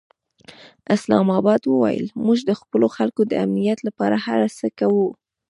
اسلام اباد وویل، موږ د خپلو خلکو د امنیت لپاره هر څه کوو.